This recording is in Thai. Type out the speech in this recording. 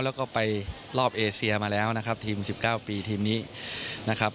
แล้วก็ไปรอบเอเซียมาแล้วนะครับทีม๑๙ปีทีมนี้นะครับ